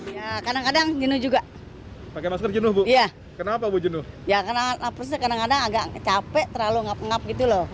ya karena hapusnya kadang kadang agak capek terlalu ngap ngap gitu loh